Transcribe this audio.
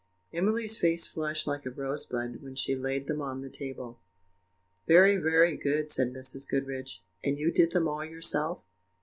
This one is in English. Emily's face flushed like a rosebud when she laid them on the table. "Very, very good," said Mrs. Goodriche; "and you did them all yourself?"